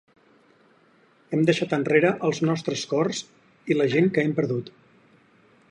Hem deixat enrere els nostres cors i la gent que hem perdut.